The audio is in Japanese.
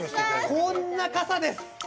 こんな傘です。